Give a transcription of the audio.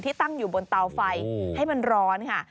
ตั้งอยู่บนเตาไฟให้มันร้อนค่ะ